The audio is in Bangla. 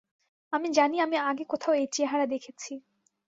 আমি জানি আমি আগে কোথাও এই চেহারা দেখেছি।